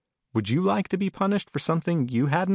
Would you like to be punished for something you hadn't done